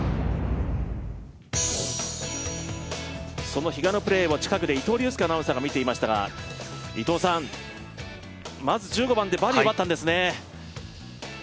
その比嘉のプレーを近くで伊藤隆佑アナウンサーが見ていましたがまず、１５番でバーディー奪ったんですね。